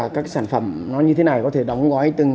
các sản phẩm nó như thế này có thể đóng gói từng